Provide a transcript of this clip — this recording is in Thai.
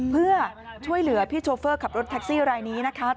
เพื่อช่วยเหลือพี่โชเฟอร์ขับรถแท็กซี่รายนี้นะคะ